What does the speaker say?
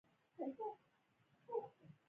بېنډۍ د وجود عمومي روغتیا ته ګټه لري